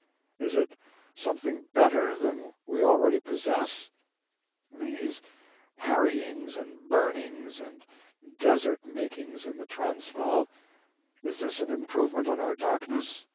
Is it something better than we already possess ? These harryings and burnings and desert makings in the Transvaal — is this an improvement on our darkness